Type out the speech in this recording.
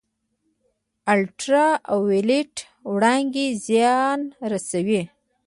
الټرا وایلیټ وړانګې زیان رسوي